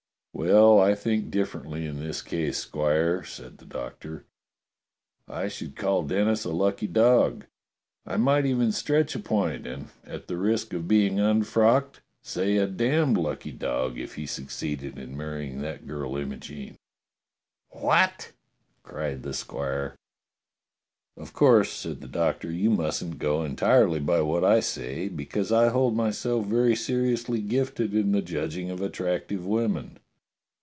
"Well, I think differently in this case. Squire," said the Doctor. "I should call Denis a lucky dog. I might even stretch a point and, at the risk of being un DOCTOR SYN HAS A "CALL" 227 frocked, say a damned lucky dog if he succeeded in marrying that girl Imogene." "What?" cried the squire. "Of course," said the Doctor, "you mustn't go en tirely by what I say, because I hold myself very seri ously gifted in the judging of attractive women."